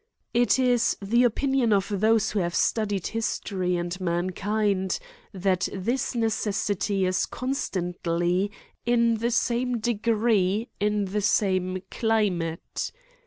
It is the opinion of those who have stu died history and mankind, that this necessity is constantly in the same degree in the same cli mate.